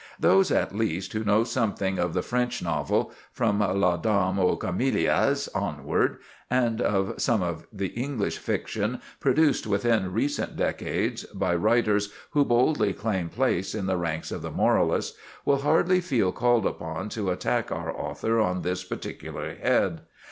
Those at least who know something of the French novel, from "La Dame aux Camélias" onward, and of some of the English fiction produced within recent decades, by writers who boldly claim place in the ranks of the moralists, will hardly feel called upon to attack our author on this particular head.